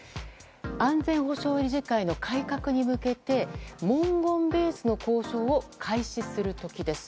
安全保障理事会の改革に向けて文言ベースの交渉を開始する時です。